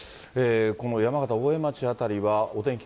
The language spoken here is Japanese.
この山形・大江町辺りは、お天気